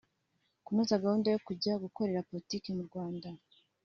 Kunoza gahunda yo kujya gukorera politiki mu Rwanda